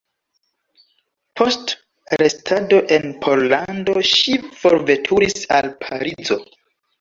Post restado en Pollando ŝi forveturis al Parizo.